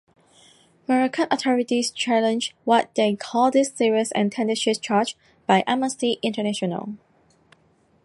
Moroccan authorities challenged what they called these "serious and tendentious charges" by Amnesty International.